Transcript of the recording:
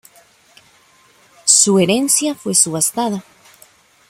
Su herencia fue subastada.